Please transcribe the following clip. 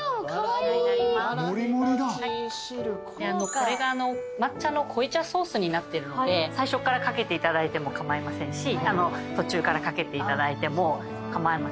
これが抹茶の濃茶ソースになってるので最初から掛けていただいても構いませんし途中から掛けていただいても構いません。